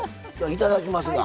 いただきますが。